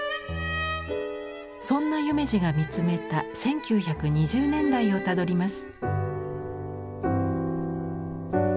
そんな夢二が見つめた１９２０年代をたどります。